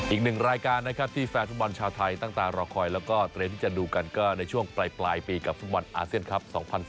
อีกหนึ่งรายการที่แฟนทุกวันชาวไทยตั้งตารอคอยและเตรียมที่จะดูกันก็ในช่วงปลายปลายปีกับทุกวันอาเซียนครับ๒๐๑๘